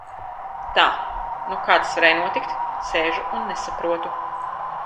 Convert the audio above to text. Tā! Nu kā tas varēja notikt? Sēžu un nesaprotu.